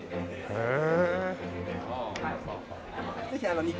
へえ！